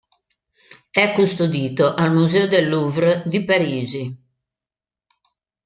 È custodito al museo del Louvre di Parigi.